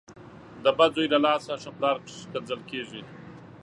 د بد زوی له لاسه ښه پلار کنځل کېږي.